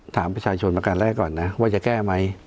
ถามประชาชนประการแรกก่อนนะว่าจะแก้ไหม